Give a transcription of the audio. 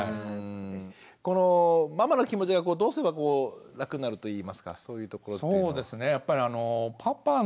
このママの気持ちがどうすれば楽になるといいますかそういうところっていうのは。